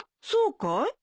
そうかい？